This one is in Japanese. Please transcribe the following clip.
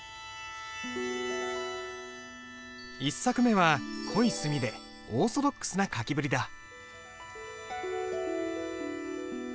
１作目は濃い墨でオーソドックスな書きぶりだ。